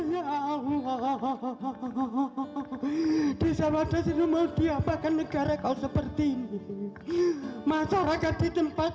hai hehehe allah desa wadah sinumau diapakan negara kau seperti ini masyarakat di tempat